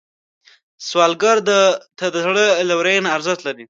سوالګر ته د زړه لورینه ارزښت لري